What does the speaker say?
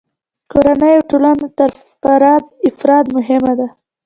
کورنۍ او ټولنه تر فرد مهمه ده.